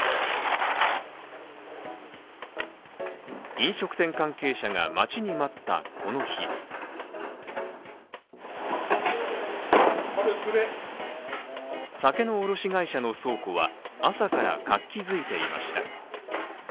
飲食店関係者が待ちに待ったこの日酒の卸会社の倉庫は朝から活気づいていました。